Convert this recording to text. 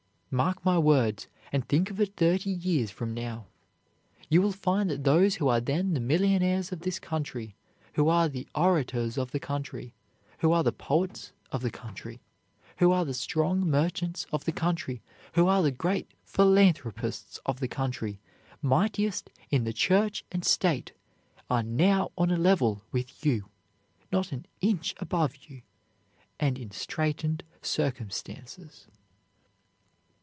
Mark my words, and think of it thirty years from now. You will find that those who are then the millionaires of this country, who are the orators of the country, who are the poets of the country, who are the strong merchants of the country, who are the great philanthropists of the country, mightiest in the church and state, are now on a level with you, not an inch above you, and in straightened circumstances.